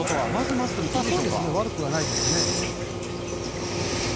悪くはないですね。